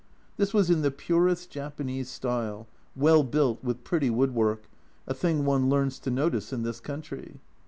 This was in the purest Japanese style, well built, with pretty woodwork, a thing one learns to notice in this country.